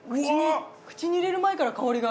口に入れる前から香りが。